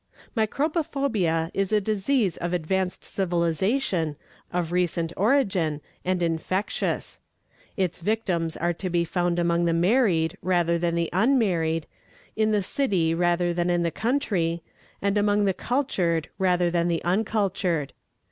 Microbophobia is a disease of advanced civilization, of recent origin, and infectious. Its victims are to be found among the married rather than the unmarried, in the city rather than in the country, and among the cultured rather than the uncultured.